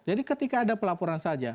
jadi ketika ada pelaporan saja